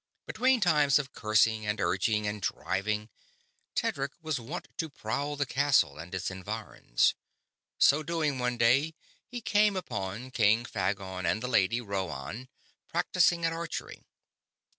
Between times of cursing and urging and driving, Tedric was wont to prowl the castle and its environs. So doing, one day, he came upon King Phagon and the Lady Rhoann practicing at archery.